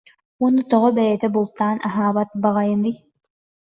Уонна тоҕо бэйэтэ бултаан аһаабат баҕайыный